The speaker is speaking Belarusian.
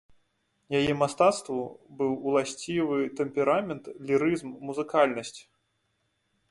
Яе мастацтву быў уласцівы тэмперамент, лірызм, музыкальнасць.